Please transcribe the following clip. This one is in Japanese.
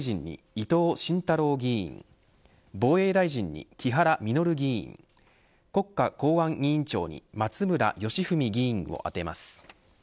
伊藤信太郎議員防衛大臣に木原稔議員国家公安委員長に松村祥史議員を充てます。